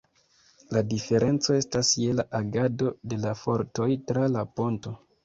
La diferenco estas je la agado de la fortoj tra la ponto.